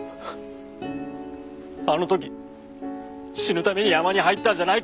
あの時死ぬために山に入ったんじゃないかって俺。